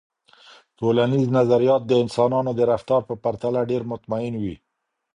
ټولنیز نظریات د انسانانو د رفتار په پرتله ډیر مطمئن وي.